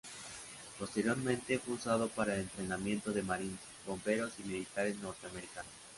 Posteriormente fue usado para el entrenamiento de marines, bomberos y militares norteamericanos.